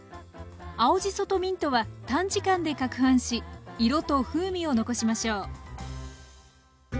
青じそとミントは短時間でかくはんし色と風味を残しましょう。